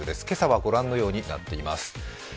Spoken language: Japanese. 今朝はご覧のようになっています。